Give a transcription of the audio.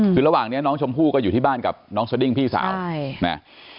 คือระหว่างนี้น้องชมพู่ก็อยู่ที่บ้านกับน้องสดิ้งพี่สาวใช่นะ